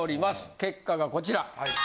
結果がこちら。